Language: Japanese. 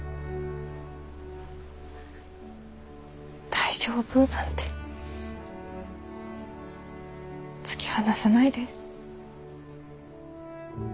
大丈夫なんて突き放さないで。